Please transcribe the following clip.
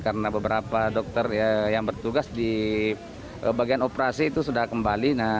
karena beberapa dokter yang bertugas di bagian operasi itu sudah kembali